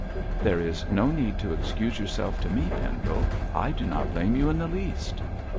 'There is no need to excuse yourself to me, Pendle. I do not blame you in the least.'